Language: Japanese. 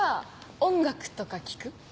音楽とか聴く？